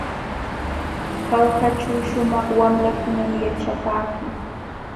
Jaujaćhu shumaq wamlakunam yaćhapaakun.